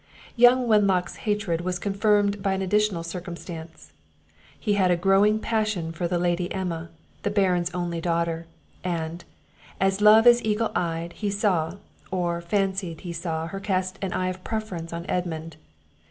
Young Wenlock's hatred was confirmed by an additional circumstance: He had a growing passion for the Lady Emma, the Baron's only daughter; and, as love is eagle eyed, he saw, or fancied he saw her cast an eye of preference on Edmund.